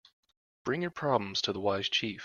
Bring your problems to the wise chief.